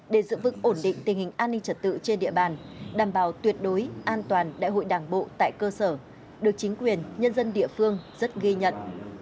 để giữ vững ổn định tình hình an ninh trật tự trên địa bàn đảm bảo tuyệt đối an toàn đại hội đảng bộ tại cơ sở được chính quyền nhân dân địa phương rất ghi nhận